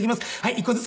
１個ずつ。